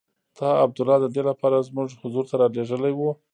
تا عبدالله د دې لپاره زموږ حضور ته رالېږلی وو.